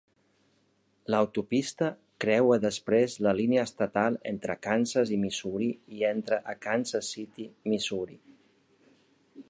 L'autopista creua després la línia estatal entre Kansas i Missouri i entra a Kansas City, Missouri.